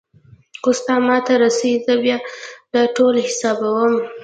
خو ستا ما ته رسي زه بيا دا ټول حسابوم.